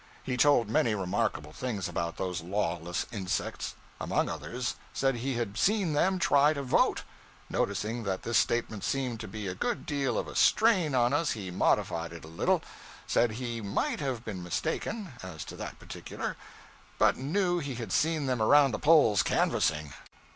He told many remarkable things about those lawless insects. Among others, said he had seen them try to vote. Noticing that this statement seemed to be a good deal of a strain on us, he modified it a little: said he might have been mistaken, as to that particular, but knew he had seen them around the polls 'canvassing.'